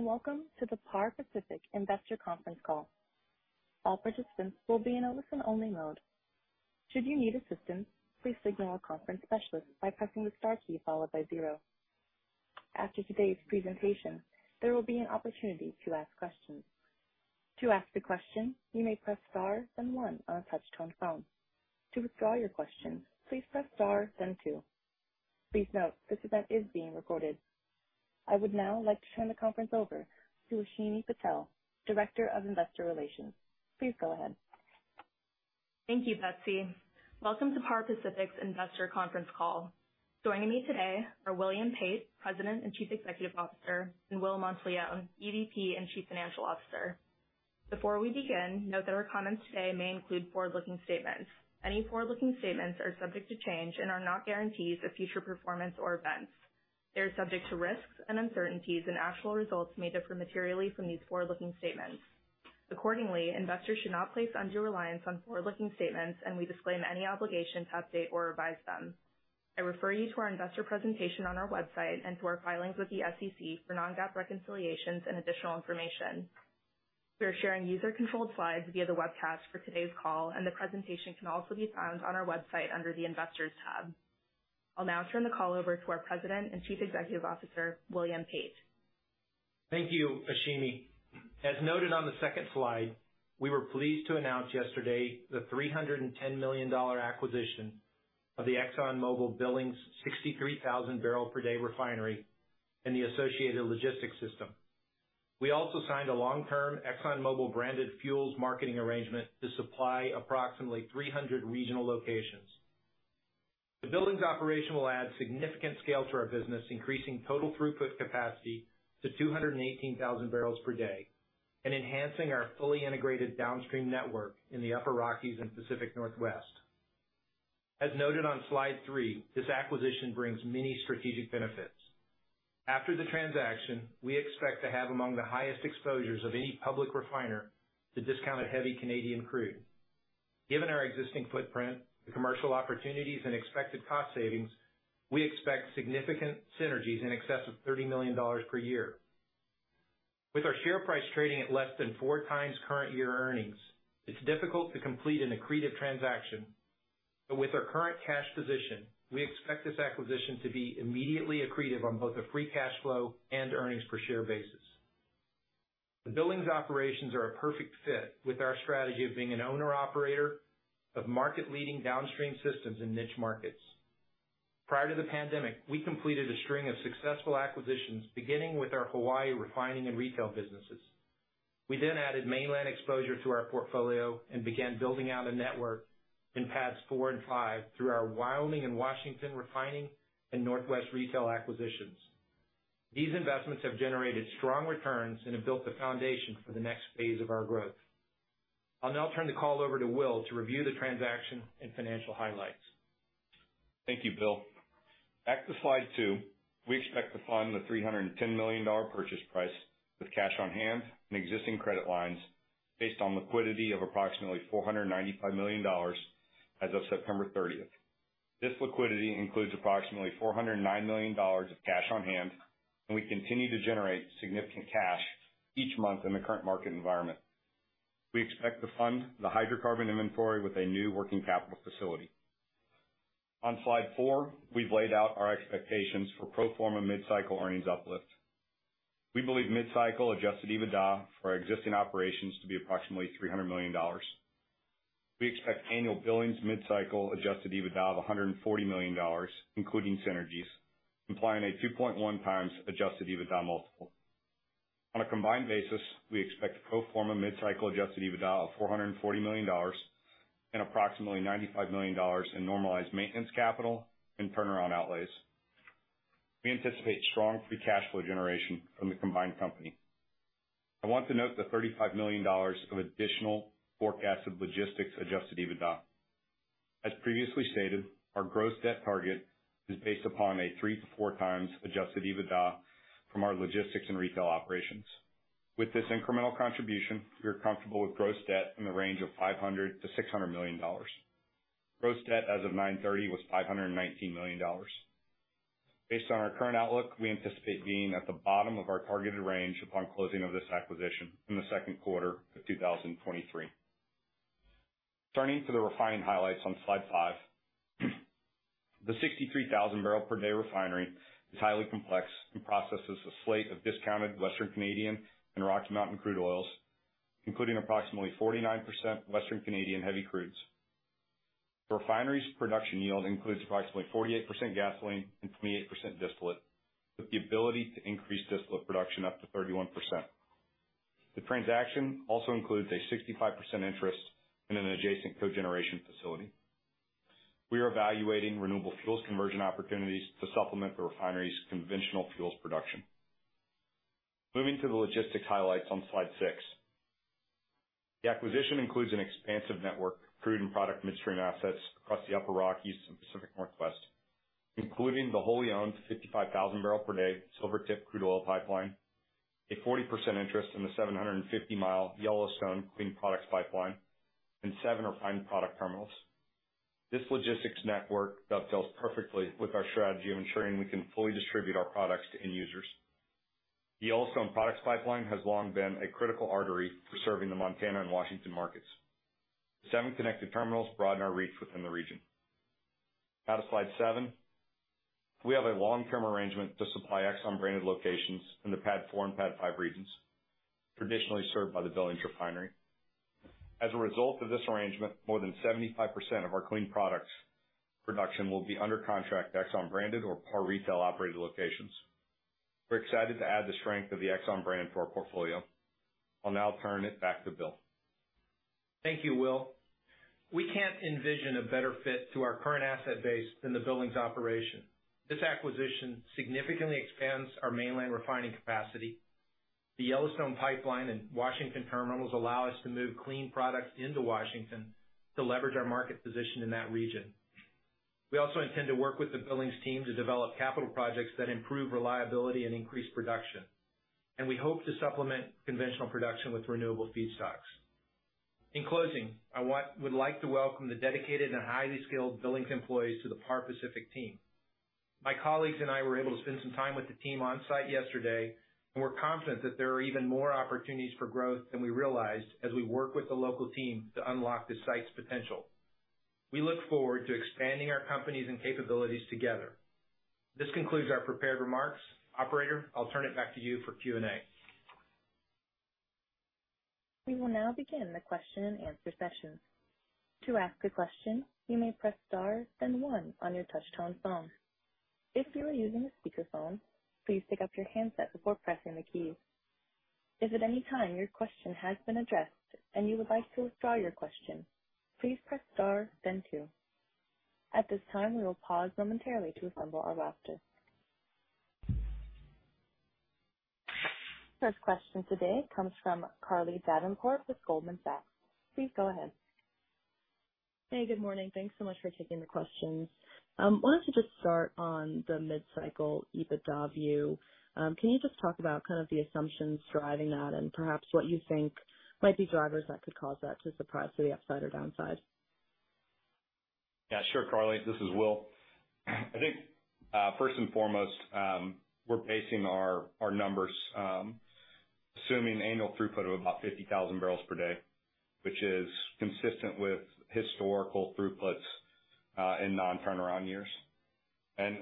Hey, welcome to the Par Pacific Investor Conference Call. All participants will be in a listen-only mode. Should you need assistance, please signal a conference specialist by pressing the star key followed by zero. After today's presentation, there will be an opportunity to ask questions. To ask the question, you may press star then one on a touch-tone phone. To withdraw your question, please press star then two. Please note, this event is being recorded. I would now like to turn the conference over to Ashimi Patel, Director of Investor Relations. Please go ahead. Thank you, Betsy. Welcome to Par Pacific's Investor Conference Call. Joining me today are William Pate, President and Chief Executive Officer, and Will Monteleone, EVP and Chief Financial Officer. Before we begin, note that our comments today may include forward-looking statements. Any forward-looking statements are subject to change and are not guarantees of future performance or events. They are subject to risks and uncertainties, and actual results may differ materially from these forward-looking statements. Accordingly, investors should not place undue reliance on forward-looking statements, and we disclaim any obligation to update or revise them. I refer you to our investor presentation on our website and to our filings with the SEC for non-GAAP reconciliations and additional information. We are sharing user-controlled slides via the webcast for today's call, and the presentation can also be found on our website under the Investors tab. I'll now turn the call over to our President and Chief Executive Officer, William Pate. Thank you, Ashimi. As noted on the second slide, we were pleased to announce yesterday the $310 million acquisition of the ExxonMobil Billings 63,000 bpd refinery and the associated logistics system. We also signed a long-term ExxonMobil-branded fuels marketing arrangement to supply approximately 300 regional locations. The Billings operation will add significant scale to our business, increasing total throughput capacity to 218,000 bpd and enhancing our fully integrated downstream network in the Upper Rockies and Pacific Northwest. As noted on slide three, this acquisition brings many strategic benefits. After the transaction, we expect to have among the highest exposures of any public refiner to discounted heavy Canadian crude. Given our existing footprint, the commercial opportunities, and expected cost savings, we expect significant synergies in excess of $30 million per year. With our share price trading at less than 4x current year earnings, it's difficult to complete an accretive transaction. With our current cash position, we expect this acquisition to be immediately accretive on both a free cash flow and earnings per share basis. The Billings operations are a perfect fit with our strategy of being an owner/operator of market-leading downstream systems in niche markets. Prior to the pandemic, we completed a string of successful acquisitions, beginning with our Hawaii refining and retail businesses. We then added mainland exposure to our portfolio and began building out a network in PADDs 4 and 5 through our Wyoming and Washington refining and Northwest retail acquisitions. These investments have generated strong returns and have built the foundation for the next phase of our growth. I'll now turn the call over to Will to review the transaction and financial highlights. Thank you, Bill. Back to slide two, we expect to fund the $310 million purchase price with cash on hand and existing credit lines based on liquidity of approximately $495 million as of September 30. This liquidity includes approximately $409 million of cash on hand, and we continue to generate significant cash each month in the current market environment. We expect to fund the hydrocarbon inventory with a new working capital facility. On slide four, we've laid out our expectations for pro forma mid-cycle earnings uplift. We believe mid-cycle adjusted EBITDA for our existing operations to be approximately $300 million. We expect annual Billings mid-cycle adjusted EBITDA of $140 million, including synergies, implying a 2.1x adjusted EBITDA multiple. On a combined basis, we expect pro forma mid-cycle adjusted EBITDA of $440 million and approximately $95 million in normalized maintenance capital and turnaround outlays. We anticipate strong free cash flow generation from the combined company. I want to note the $35 million of additional forecasted logistics adjusted EBITDA. As previously stated, our gross debt target is based upon a 3x-4x adjusted EBITDA from our logistics and retail operations. With this incremental contribution, we are comfortable with gross debt in the range of $500 million-$600 million. Gross debt as of 9:30 A.M. was $519 million. Based on our current outlook, we anticipate being at the bottom of our targeted range upon closing of this acquisition in the second quarter of 2023. Turning to the refining highlights on slide five. The 63,000 bpd refinery is highly complex and processes a slate of discounted Western Canadian and Rocky Mountain crude oils, including approximately 49% Western Canadian heavy crudes. Refinery's production yield includes approximately 48% gasoline and 28% distillate, with the ability to increase distillate production up to 31%. The transaction also includes a 65% interest in an adjacent cogeneration facility. We are evaluating renewable fuels conversion opportunities to supplement the refinery's conventional fuels production. Moving to the logistics highlights on slide six. The acquisition includes an expansive network of crude and product midstream assets across the Upper Rockies and Pacific Northwest, including the wholly-owned 55,000 bpd Silvertip crude oil pipeline, a 40% interest in the 750 mi Yellowstone clean products pipeline, and seven refined product terminals. This logistics network dovetails perfectly with our strategy of ensuring we can fully distribute our products to end users. The Yellowstone products pipeline has long been a critical artery for serving the Montana and Washington markets. Seven connected terminals broaden our reach within the region. Now to slide seven. We have a long-term arrangement to supply Exxon branded locations in the PADD 4 and PADD 5 regions traditionally served by the Billings Refinery. As a result of this arrangement, more than 75% of our clean products production will be under contract to Exxon branded or Par retail-operated locations. We're excited to add the strength of the Exxon brand to our portfolio. I'll now turn it back to Bill. Thank you, Will. We can't envision a better fit to our current asset base than the Billings operation. This acquisition significantly expands our mainland refining capacity. The Yellowstone Pipeline and Washington terminals allow us to move clean products into Washington to leverage our market position in that region. We also intend to work with the Billings team to develop capital projects that improve reliability and increase production. We hope to supplement conventional production with renewable feedstocks. In closing, I would like to welcome the dedicated and highly skilled Billings employees to the Par Pacific team. My colleagues and I were able to spend some time with the team on site yesterday, and we're confident that there are even more opportunities for growth than we realized as we work with the local team to unlock the site's potential. We look forward to expanding our companies and capabilities together. This concludes our prepared remarks. Operator, I'll turn it back to you for Q&A. We will now begin the question and answer session. To ask a question, you may press star then one on your touchtone phone. If you are using a speakerphone, please pick up your handset before pressing the key. If at any time your question has been addressed and you would like to withdraw your question, please press star then two. At this time, we will pause momentarily to assemble our roster. First question today comes from Carly Davenport with Goldman Sachs. Please go ahead. Hey, good morning. Thanks so much for taking the questions. Wanted to just start on the mid-cycle EBITDA view. Can you just talk about kind of the assumptions driving that and perhaps what you think might be drivers that could cause that to surprise to the upside or downside? Yeah, sure, Carly. This is Will. I think first and foremost, we're pacing our numbers assuming annual throughput of about 50,000 bpd, which is consistent with historical throughputs in non-turnaround years.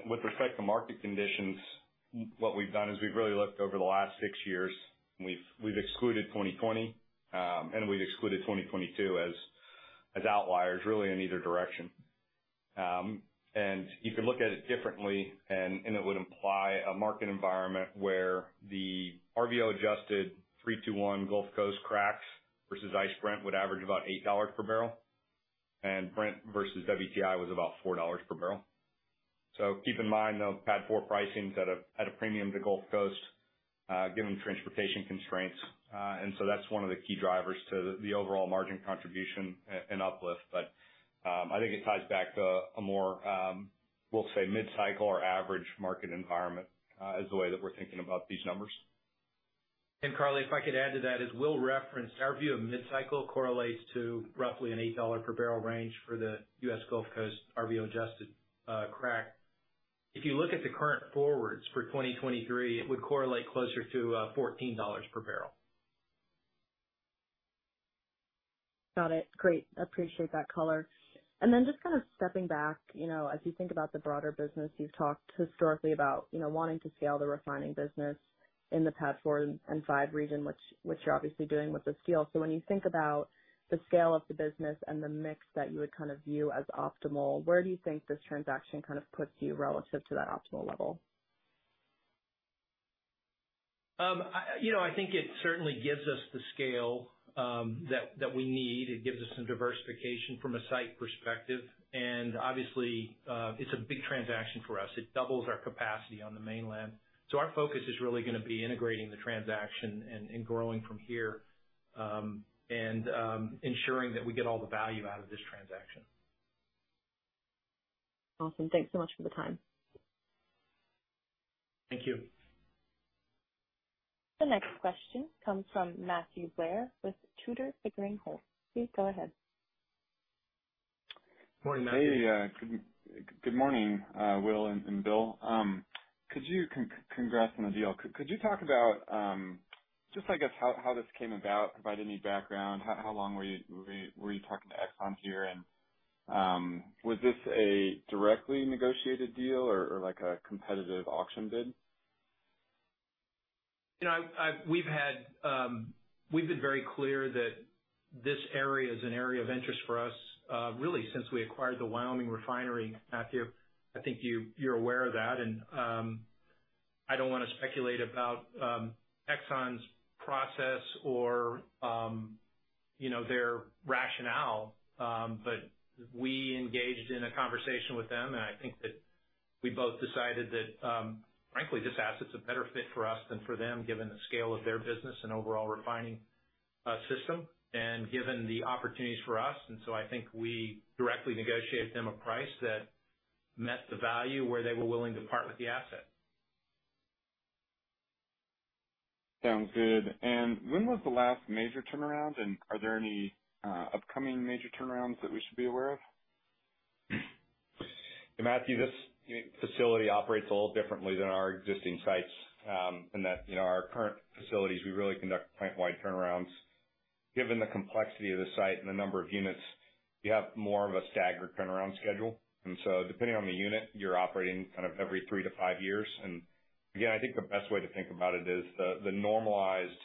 With respect to market conditions, what we've done is we've really looked over the last six years, and we've excluded 2020 and we've excluded 2022 as outliers really in either direction. You could look at it differently and it would imply a market environment where the RVO-adjusted 3-2-1 Gulf Coast cracks versus ICE Brent would average about $8 per bbl and Brent versus WTI was about $4 per bbl. Keep in mind, though, PADD 4 pricing's at a premium to Gulf Coast given transportation constraints. That's one of the key drivers to the overall margin contribution and uplift. I think it ties back to a more, we'll say mid-cycle or average market environment, as the way that we're thinking about these numbers. Carly, if I could add to that, as Will referenced, our view of mid-cycle correlates to roughly an $8 per bbl range for the U.S. Gulf Coast RVO-adjusted crack. If you look at the current forwards for 2023, it would correlate closer to $14 per bbl. Got it. Great. Appreciate that color. Then just kind of stepping back. You know, as you think about the broader business, you've talked historically about, you know, wanting to scale the refining business in the PADD 4 and PADD 5 region, which you're obviously doing with this deal. When you think about the scale of the business and the mix that you would kind of view as optimal, where do you think this transaction kind of puts you relative to that optimal level? You know, I think it certainly gives us the scale that we need. It gives us some diversification from a site perspective. Obviously, it's a big transaction for us. It doubles our capacity on the mainland. Our focus is really gonna be integrating the transaction and growing from here, ensuring that we get all the value out of this transaction. Awesome. Thanks so much for the time. Thank you. The next question comes from Matthew Blair with Tudor, Pickering, Holt & Co. Please go ahead. Morning, Matthew. Hey, good morning, Will and Bill. Congrats on the deal. Could you talk about, just I guess, how this came about, provide any background, how long were you talking to Exxon here? Was this a directly negotiated deal or like a competitive auction bid? You know, we've been very clear that this area is an area of interest for us, really since we acquired the Wyoming Refinery, Matthew. I think you're aware of that and I don't wanna speculate about Exxon's process or, you know, their rationale, but we engaged in a conversation with them. I think that we both decided that, frankly, this asset's a better fit for us than for them, given the scale of their business and overall refining system, and given the opportunities for us. I think we directly negotiated with them a price that met the value where they were willing to part with the asset. Sounds good. When was the last major turnaround, and are there any upcoming major turnarounds that we should be aware of? Matthew, this, you know, facility operates a little differently than our existing sites in that, you know, our current facilities, we really conduct plant-wide turnarounds. Given the complexity of the site and the number of units, you have more of a staggered turnaround schedule. Depending on the unit, you're operating kind of every three-five years. I think the best way to think about it is the normalized,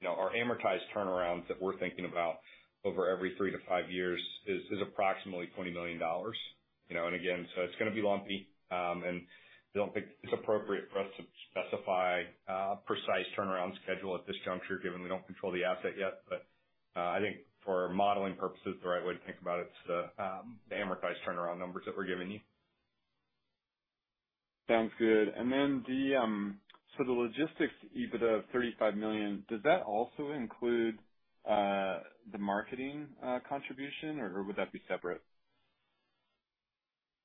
you know, or amortized turnarounds that we're thinking about over every three to five years is approximately $20 million. You know, it's gonna be lumpy, and I don't think it's appropriate for us to specify a precise turnaround schedule at this juncture, given we don't control the asset yet. I think for modeling purposes, the right way to think about it is the amortized turnaround numbers that we're giving you. Sounds good. The logistics EBITDA of $35 million, does that also include the marketing contribution, or would that be separate?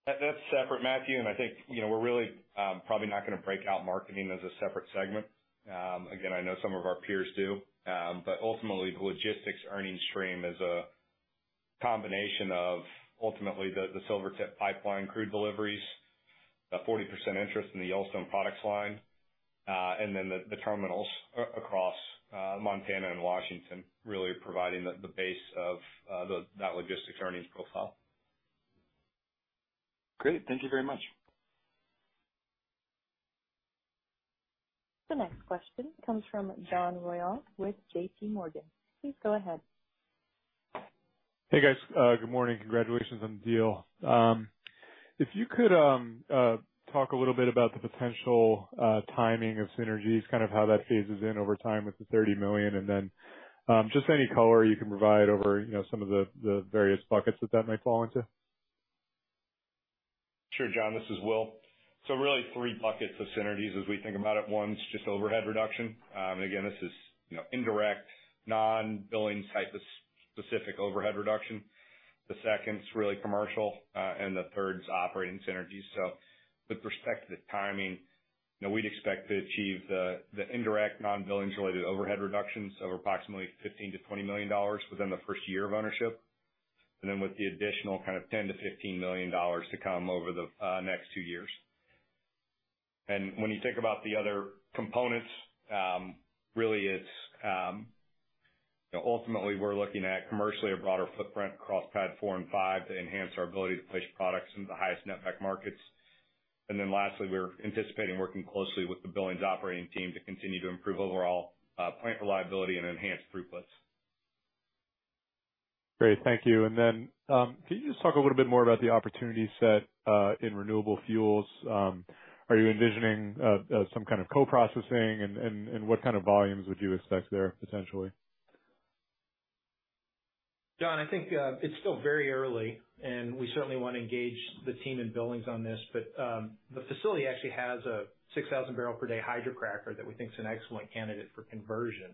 That's separate, Matthew, and I think, you know, we're really probably not gonna break out marketing as a separate segment. Again, I know some of our peers do, but ultimately, the logistics earnings stream is a combination of ultimately the Silvertip pipeline crude deliveries, a 40% interest in the Yellowstone products pipeline, and then the terminals across Montana and Washington really providing the base of that logistics earnings profile. Great. Thank you very much. The next question comes from John Royall with JPMorgan. Please go ahead. Hey, guys. Good morning. Congratulations on the deal. If you could talk a little bit about the potential timing of synergies, kind of how that phases in over time with the $30 million, and then just any color you can provide on, you know, some of the various buckets that might fall into. Sure, John. This is Will. Really three buckets of synergies as we think about it. One's just overhead reduction. Again, this is, you know, indirect non-Billings type of specific overhead reduction. The second's really commercial, and the third's operating synergies. With respect to the timing, you know, we'd expect to achieve the indirect non-Billings related overhead reductions of approximately $15 million-$20 million within the first year of ownership. Then with the additional kind of $10 million-$15 million to come over the next two years. When you think about the other components, really it's, you know, ultimately we're looking at commercially a broader footprint across PADD 4 and PADD 5 to enhance our ability to push products into the highest netback markets. Lastly, we're anticipating working closely with the Billings operating team to continue to improve overall plant reliability and enhance throughputs. Great. Thank you. Can you just talk a little bit more about the opportunity set in renewable fuels? Are you envisioning some kind of co-processing? What kind of volumes would you expect there potentially? John, I think it's still very early, and we certainly want to engage the team in Billings on this, but the facility actually has a 6,000 bpd hydrocracker that we think is an excellent candidate for conversion.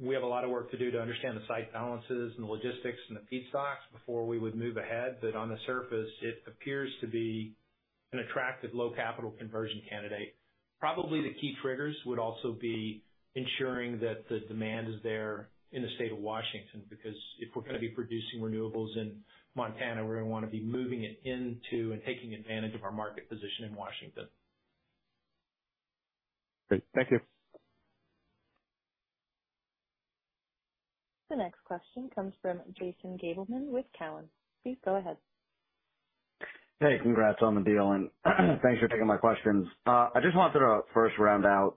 We have a lot of work to do to understand the site balances and the logistics and the feedstocks before we would move ahead. On the surface, it appears to be an attractive low capital conversion candidate. Probably the key triggers would also be ensuring that the demand is there in the state of Washington, because if we're gonna be producing renewables in Montana, we're gonna wanna be moving it into and taking advantage of our market position in Washington. Great. Thank you. The next question comes from Jason Gabelman with Cowen. Please go ahead. Hey, congrats on the deal, and thanks for taking my questions. I just wanted to first round out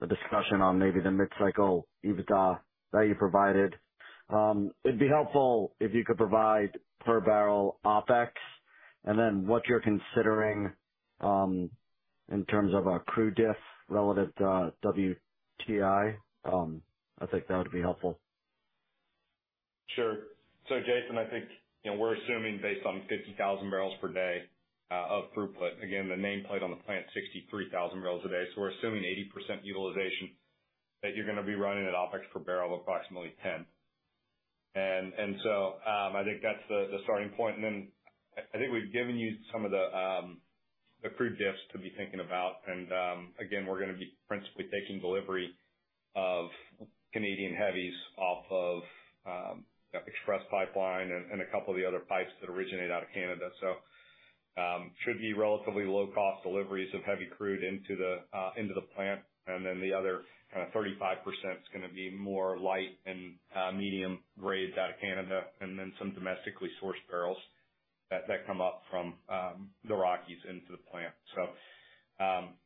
the discussion on maybe the mid-cycle EBITDA that you provided. It'd be helpful if you could provide per barrel OpEx and then what you're considering in terms of a crude diff relative to WTI? I think that would be helpful. Sure. Jason, I think, you know, we're assuming based on 50,000 bpd of throughput. Again, the nameplate on the plant, 63,000 bbl a day. We're assuming 80% utilization, that you're gonna be running at OpEx per barrel of approximately $10. I think that's the starting point. Then I think we've given you some of the crude diffs to be thinking about. Again, we're gonna be principally taking delivery of Canadian heavies off of Express Pipeline and a couple of the other pipes that originate out of Canada. Should be relatively low cost deliveries of heavy crude into the plant. The other kind of 35% is gonna be more light and medium grades out of Canada, and then some domestically sourced barrels that come up from the Rockies into the plant.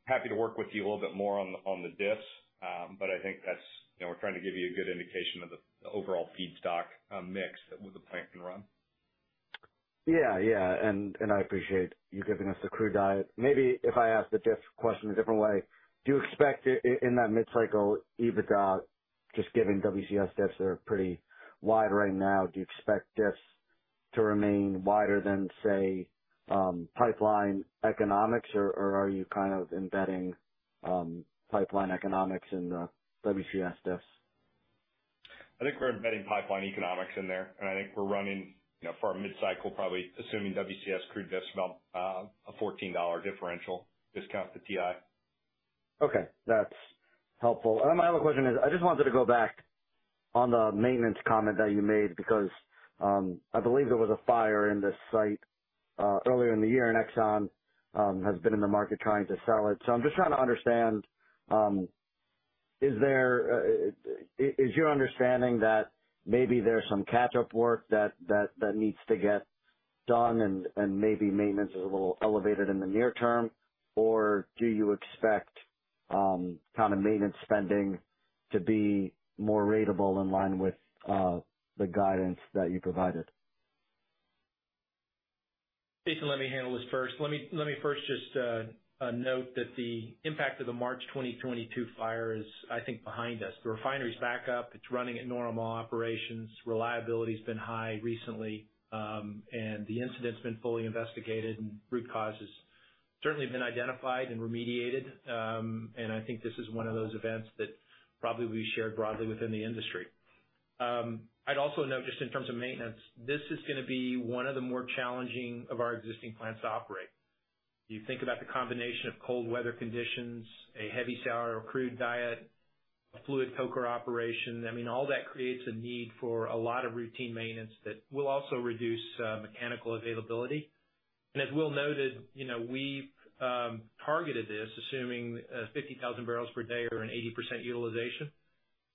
Happy to work with you a little bit more on the diffs. But I think that's. You know, we're trying to give you a good indication of the overall feedstock mix that the plant can run. Yeah, yeah. I appreciate you giving us the crude diet. Maybe if I ask the diff question a different way, do you expect in that mid-cycle EBITDA, just given WCS diffs are pretty wide right now, do you expect diffs to remain wider than, say, pipeline economics? Or are you kind of embedding pipeline economics in the WCS diffs? I think we're embedding pipeline economics in there, and I think we're running, you know, for our mid-cycle, probably assuming WCS crude discount, a $14 differential discount to WTI. Okay. That's helpful. My other question is, I just wanted to go back on the maintenance comment that you made because I believe there was a fire in the site earlier in the year, and Exxon has been in the market trying to sell it. I'm just trying to understand, is your understanding that maybe there's some catch-up work that needs to get done and maybe maintenance is a little elevated in the near term? Or do you expect kind of maintenance spending to be more ratable in line with the guidance that you provided? Jason, let me handle this first. Let me first just note that the impact of the March 2022 fire is, I think, behind us. The refinery's back up. It's running at normal operations. Reliability's been high recently, and the incident's been fully investigated, and root cause has certainly been identified and remediated. I think this is one of those events that probably will be shared broadly within the industry. I'd also note just in terms of maintenance, this is gonna be one of the more challenging of our existing plants to operate. You think about the combination of cold weather conditions, a heavy sour crude diet, a fluid coker operation. I mean, all that creates a need for a lot of routine maintenance that will also reduce mechanical availability. As Will noted, you know, we've targeted this assuming 50,000 bpd or an 80% utilization.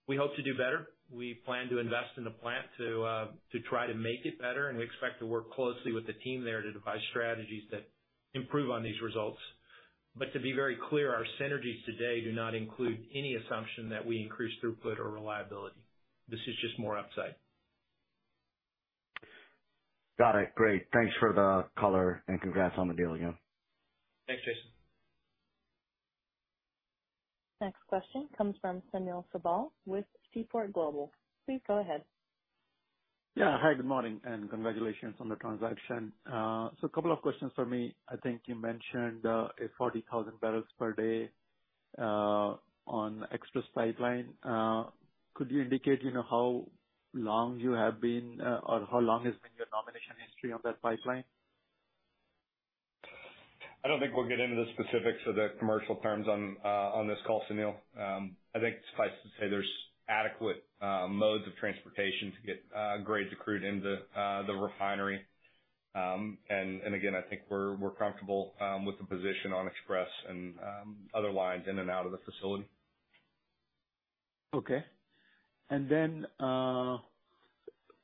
We hope to do better. We plan to invest in the plant to try to make it better, and we expect to work closely with the team there to devise strategies that improve on these results. To be very clear, our synergies today do not include any assumption that we increase throughput or reliability. This is just more upside. Got it. Great. Thanks for the color, and congrats on the deal, again. Thanks, Jason. Next question comes from Sunil Sibal with Seaport Global. Please go ahead. Yeah. Hi, good morning, and congratulations on the transaction. A couple of questions from me. I think you mentioned a 40,000 bpd on Express Pipeline. Could you indicate, you know, how long you have been or how long has been your nomination history on that pipeline? I don't think we'll get into the specifics of the commercial terms on this call, Sunil. I think suffice to say there's adequate modes of transportation to get grades of crude into the refinery. Again, I think we're comfortable with the position on Express and other lines in and out of the facility. Okay.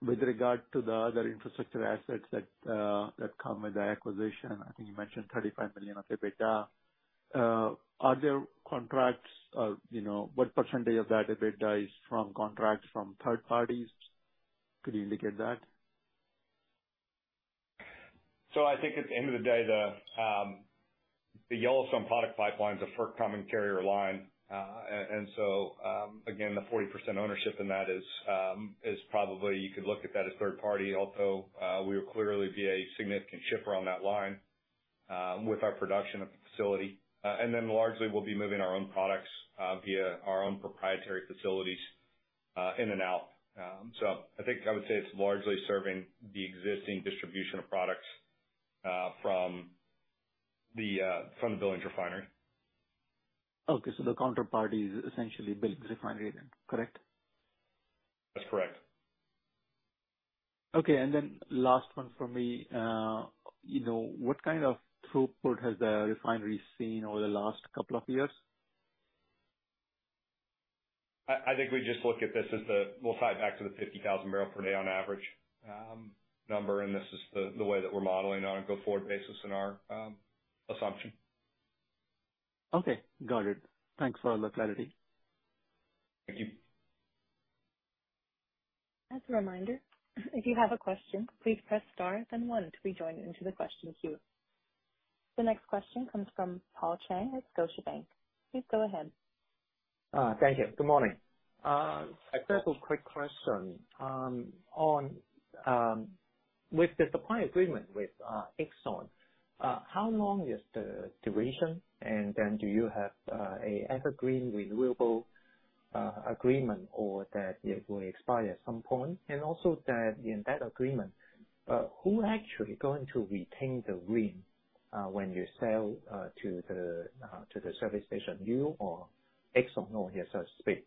With regard to the other infrastructure assets that come with the acquisition, I think you mentioned $35 million of EBITDA. Are there contracts or, you know, what percentage of that EBITDA is from contracts from third parties? Could you indicate that? I think at the end of the day, the Yellowstone product pipeline is a firm common carrier line. Again, the 40% ownership in that is probably you could look at that as third party, although we would clearly be a significant shipper on that line with our production at the facility. Largely, we'll be moving our own products via our own proprietary facilities in and out. I think I would say it's largely serving the existing distribution of products from the Billings refinery. Okay. The counterparty is essentially Billings Refinery then, correct? That's correct. Okay. Last one from me. You know, what kind of throughput has the refinery seen over the last couple of years? I think we just look at this as we'll tie it back to the 50,000 bpd on average number, and this is the way that we're modeling on a go-forward basis in our assumption. Okay. Got it. Thanks for the clarity. Thank you. As a reminder, if you have a question, please press star then one to be joined into the question queue. The next question comes from Paul Cheng at Scotiabank. Please go ahead. Thank you. Good morning. Yes. I've just a quick question on with the supply agreement with Exxon, how long is the duration? Then do you have a evergreen renewable agreement or that it will expire at some point? Also that in that agreement, who actually going to retain the RIN when you sell to the service station? You or Exxon, or so to speak?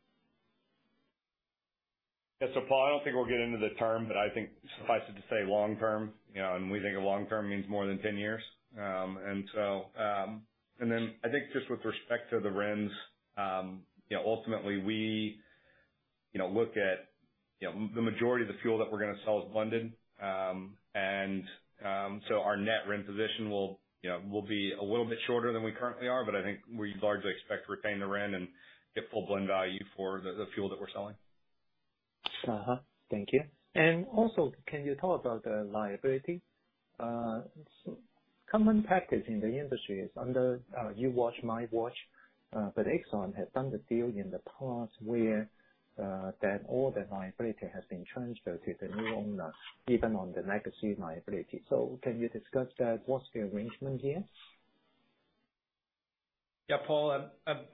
Yeah. Paul, I don't think we'll get into the term, but I think suffice it to say long term, you know, and we think of long term means more than 10 years. I think just with respect to the RINs, you know, ultimately we, you know, look at, you know, the majority of the fuel that we're gonna sell is blended. Our net RIN position will, you know, be a little bit shorter than we currently are, but I think we largely expect to retain the RIN and get full blend value for the fuel that we're selling. Thank you. Also, can you talk about the liability? Common practice in the industry is under your watch, my watch, but Exxon has done the deal in the past where that all the liability has been transferred to the new owner, even on the legacy liability. Can you discuss that? What's the arrangement here? Yeah, Paul,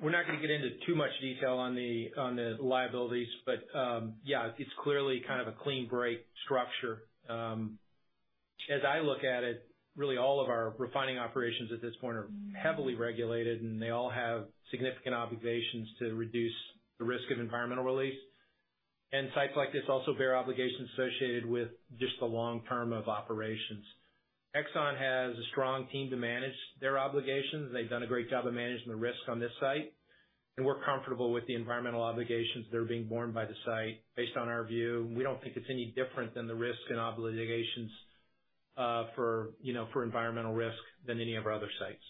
we're not gonna get into too much detail on the liabilities, but yeah, it's clearly kind of a clean break structure. As I look at it, really all of our refining operations at this point are heavily regulated, and they all have significant obligations to reduce the risk of environmental release. Sites like this also bear obligations associated with just the long term of operations. Exxon has a strong team to manage their obligations. They've done a great job of managing the risk on this site, and we're comfortable with the environmental obligations that are being borne by the site. Based on our view, we don't think it's any different than the risks and obligations for, you know, for environmental risk than any of our other sites.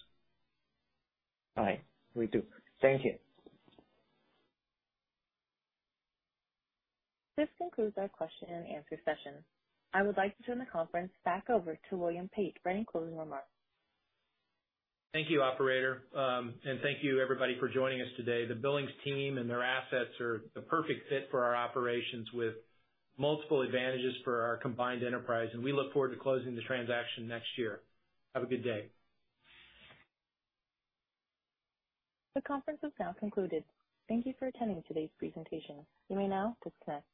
All right. Will do. Thank you. This concludes our question and answer session. I would like to turn the conference back over to William Pate for any closing remarks. Thank you, operator. Thank you, everybody, for joining us today. The Billings team and their assets are the perfect fit for our operations with multiple advantages for our combined enterprise, and we look forward to closing the transaction next year. Have a good day. The conference is now concluded. Thank you for attending today's presentation. You may now disconnect.